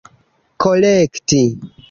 korekti